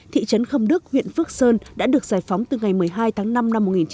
thị trấn khâm đức huyện phước sơn đã được giải phóng từ ngày một mươi hai tháng năm năm một nghìn chín trăm bảy mươi